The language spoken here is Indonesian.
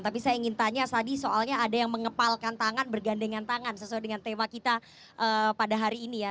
tapi saya ingin tanya tadi soalnya ada yang mengepalkan tangan bergandengan tangan sesuai dengan tema kita pada hari ini ya